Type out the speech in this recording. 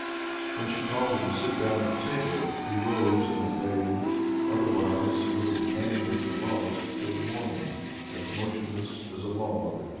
When she called him to sit down at table, he rose and obeyed, otherwise he would have remained as he was till the morning, as motionless as a log.